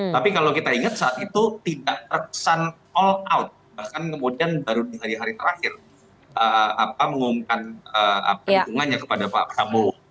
tapi kalau kita ingat saat itu tidak terkesan all out bahkan kemudian baru di hari hari terakhir mengumumkan dukungannya kepada pak prabowo